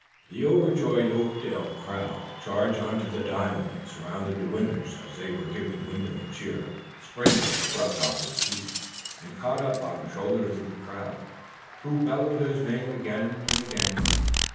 The overjoyed Oakdale crowd charged onto the diamond and surrounded the winners as they were giving Wyndham a cheer. Springer was swept off his feet and caught up on the shoulders of the crowd, who bellowed his name again and again.